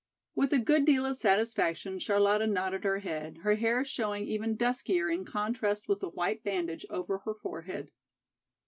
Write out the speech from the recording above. With a good deal of satisfaction Charlotta nodded her head, her hair showing even duskier in contrast with the white bandage over her forehead.